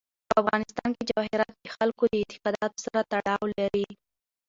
په افغانستان کې جواهرات د خلکو د اعتقاداتو سره تړاو لري.